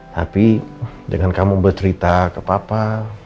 tapi dengan kamu bercerita ke papa